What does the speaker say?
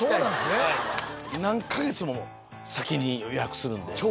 何か月も先に予約するんで。